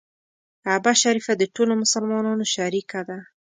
کعبه شریفه د ټولو مسلمانانو شریکه ده.